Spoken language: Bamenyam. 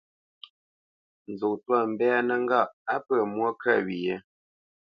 Nzó twâ mbínə́ ŋgâʼ á pə̂ mwô kə wye ?